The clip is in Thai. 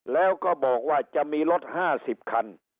แล้วก็บอกว่าจะมีรถ๕๐คัน